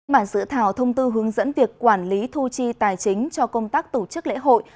bản dự thảo thông tư hướng dẫn việc quản lý thu chi tài chính cho công tác tổ chức lễ hội